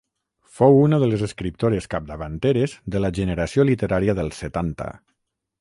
Fou una de les escriptores capdavanteres de la generació literària dels setanta.